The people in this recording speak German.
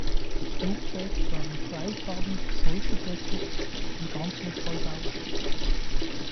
Das Flugzeug war ein freitragender Schulterdecker in Ganzmetallbauweise.